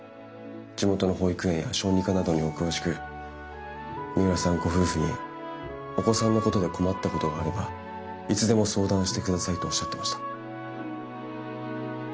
地元の保育園や小児科などにお詳しく三浦さんご夫婦にお子さんのことで困ったことがあればいつでも相談してくださいとおっしゃってました。